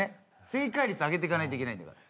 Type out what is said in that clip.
正解率上げていかないといけないんだから。